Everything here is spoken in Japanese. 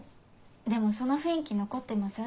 でもその雰囲気残ってません？